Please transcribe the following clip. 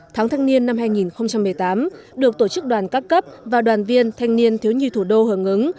tháng thanh niên năm hai nghìn một mươi tám được tổ chức đoàn các cấp và đoàn viên thanh niên thiếu nhi thủ đô hưởng ứng